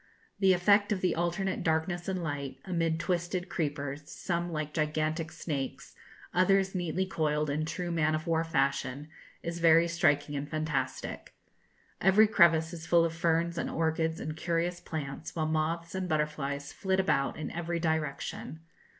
The effect of the alternate darkness and light, amid twisted creepers, some like gigantic snakes, others neatly coiled in true man of war fashion, is very striking and fantastic. Every crevice is full of ferns and orchids and curious plants, while moths and butterflies flit about in every direction.